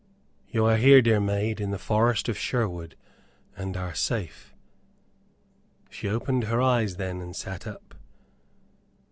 "You are here, dear maid, in the forest of Sherwood, and are safe." She opened her eyes then, and sat up.